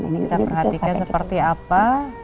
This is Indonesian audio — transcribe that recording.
kita perhatikan seperti apa